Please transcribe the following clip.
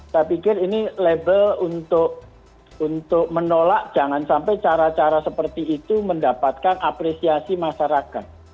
saya pikir ini label untuk menolak jangan sampai cara cara seperti itu mendapatkan apresiasi masyarakat